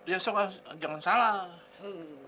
ya so jangan salah